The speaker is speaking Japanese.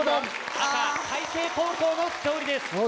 赤開成高校の勝利です。